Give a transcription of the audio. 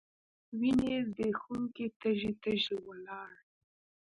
وینې ځبېښونکي تږي، تږي ولاړ